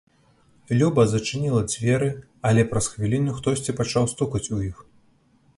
Люба зачыніла дзверы, але праз хвіліну хтосьці пачаў стукаць у іх.